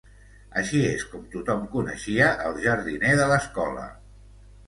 Així és com tothom coneixia el jardiner de l'escola.